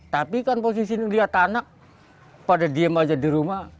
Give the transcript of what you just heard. tapi kan posisi lihat anak pada diem aja di rumah